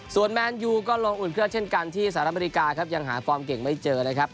ส่วนแมนยูก็ลงอุ่นเครื่องเช่นกันที่สหรัฐอเมริกาครับยังหาฟอร์มเก่งไม่เจอนะครับ